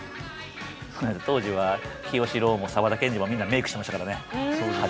当時は清志郎も沢田研二もみんなメークしてましたからね派手に。